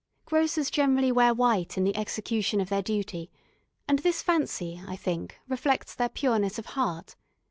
Grocers generally wear white in the execution of their duty, and this fancy, I think, reflects their pureness of heart.